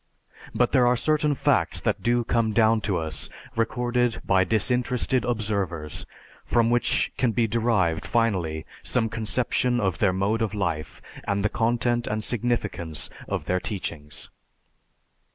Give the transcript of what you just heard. But there are certain facts that do come down to us recorded by disinterested observers from which can be derived finally some conception of their mode of life, and the content and significance of their teachings.